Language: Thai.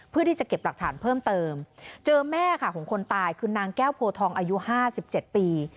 เพื่อที่จะเก็บหลักฐานเพิ่มเติมเจอแม่ค่ะของคนตายคือนางแก้วโพทองอายุ๕๗ปี